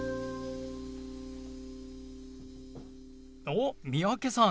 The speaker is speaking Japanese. おっ三宅さん